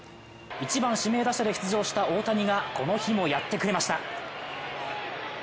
１番・指名打者で出場した大谷がこの日もやってくれました。